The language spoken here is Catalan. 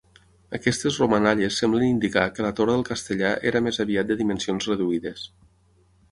Aquestes romanalles semblen indicar que la torre del Castellar era més aviat de dimensions reduïdes.